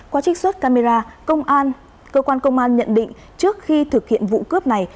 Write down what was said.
qua trích xuất camera công an cơ quan công an nhận định trước khi thực hiện vụ cướp này